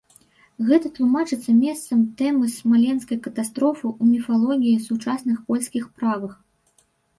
Гэта тлумачыцца месцам тэмы смаленскай катастрофы ў міфалогіі сучасных польскіх правых.